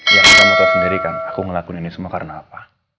ya kamu tau sendiri kan aku ngelakuin ini semua karena apa